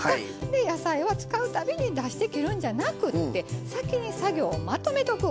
で野菜は使う度に出して切るんじゃなくって先に作業をまとめとく。